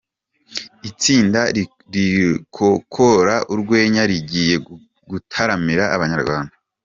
Itsinda Rikokora Urwenya Rigiye Gutaramira Abanyarwanda